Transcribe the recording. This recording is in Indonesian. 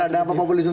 kena dampak populisme